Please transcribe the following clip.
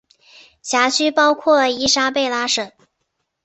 辖区包括伊莎贝拉省。